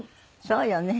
そうよね。